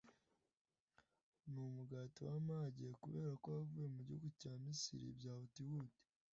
ni umugati w’amage, kubera ko wavuye mu gihugu cya misiri bya huti huti.